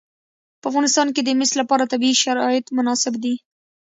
په افغانستان کې د مس لپاره طبیعي شرایط مناسب دي.